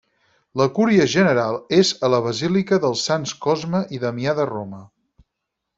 La cúria general és a la Basílica dels Sants Cosme i Damià de Roma.